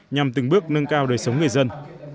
nhằm từng bước nâng cao đời sống người dân